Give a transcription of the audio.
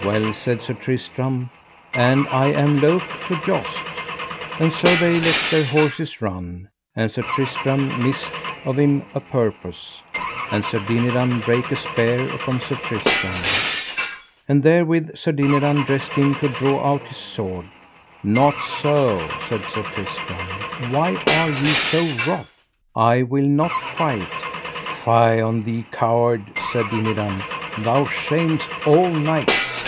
Well, said Sir Tristram, and I am loath to joust. And so they let their horses run, and Sir Tristram missed of him a purpose, and Sir Dinadan brake a spear upon Sir Tristram, and therewith Sir Dinadan dressed him to draw out his sword. Not so, said Sir Tristram, why are ye so wroth? I will not fight. Fie on thee, coward, said Dinadan, thou shamest all knights.